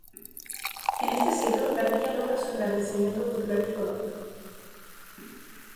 En este siglo, la villa logra su engrandecimiento cultural y económico.